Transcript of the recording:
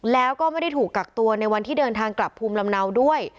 แล้วก็ไม่ได้ถูกกักตัวในวันที่เดินทางกลับภูมิลำเนาด้วย